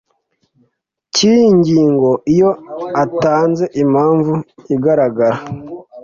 cy iyi ngingo iyo atanze impamvu igaragara